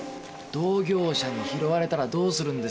同業者に拾われたらどうするんですか？